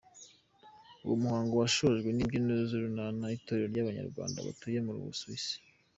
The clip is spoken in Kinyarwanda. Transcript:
Uwo muhango washojwe n’imbyino z’Urunana, itorero ry’Abanyarwanda batuye mu Busuwisi.